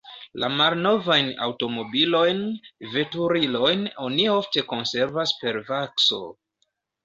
La malnovajn aŭtomobilojn, veturilojn oni ofte konservas per vakso.